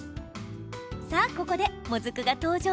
さあここで、もずくが登場。